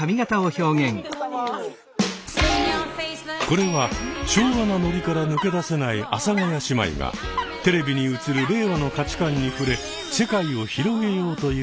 これは昭和なノリから抜け出せない阿佐ヶ谷姉妹がテレビに映る令和の価値観に触れ世界を広げようという番組です。